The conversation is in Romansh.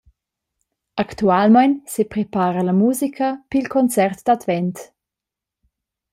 Actualmein seprepara la musica pil concert d’Advent.